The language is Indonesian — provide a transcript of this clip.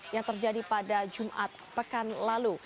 yang terjadi pada jumat pekan lalu